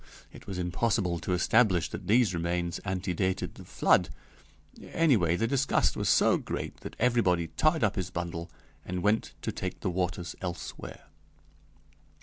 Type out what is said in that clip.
It was impossible to establish that these remains antedated the Flood. Anyway, the disgust was so great that everybody tied up his bundle and went to take the waters elsewhere.